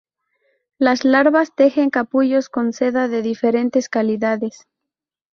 Las larvas tejen capullos con seda de diferentes calidades.